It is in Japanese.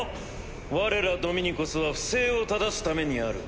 我らドミニコスは不正をただすためにある。